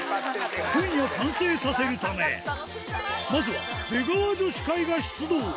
今夜完成させるため、まずは出川女子会が出動。